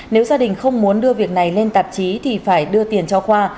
nếu gia đình không muốn đưa việc này lên tạp chí thì phải đưa tiền cho khoa